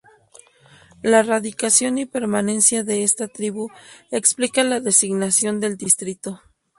La radicación y permanencia de esta tribu explica la designación del distrito.